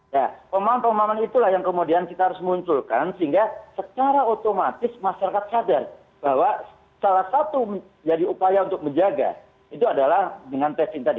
ya pemahaman pemahaman itulah yang kemudian kita harus munculkan sehingga secara otomatis masyarakat sadar bahwa salah satu menjadi upaya untuk menjaga itu adalah dengan testing tadi